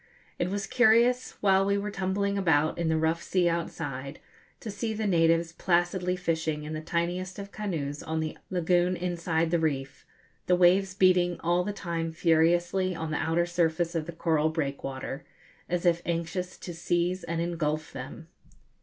It was curious, while we were tumbling about in the rough sea outside, to see the natives placidly fishing in the tiniest of canoes on the lagoon inside the reef, the waves beating all the time furiously on the outer surface of the coral breakwater, as if anxious to seize and engulf them.